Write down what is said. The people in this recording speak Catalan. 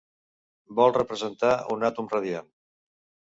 Vol representar un àtom radiant.